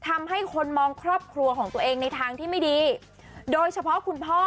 ทำให้คนมองครอบครัวของตัวเองในทางที่ไม่ดีโดยเฉพาะคุณพ่อ